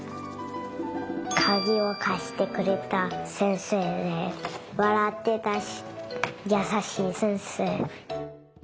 かぎをかしてくれた先生でわらってたしやさしい先生。